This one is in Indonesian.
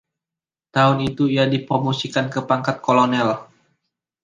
Tahun itu, ia dipromosikan ke pangkat kolonel.